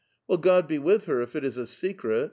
Well, God be with her, if it is a secret